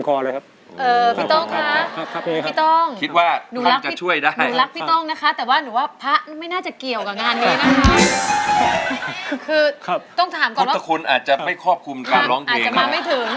คือครับต้องถามก่อนว่าคนอาจจะไม่ควบคุมการร้องเกรงอาจจะมาไม่ถึงครับว่าแต่คุณพ่อคล้องพระเยอะ